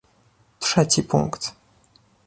Trzeci punkt